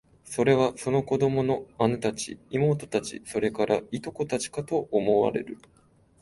それは、その子供の姉たち、妹たち、それから、従姉妹たちかと想像される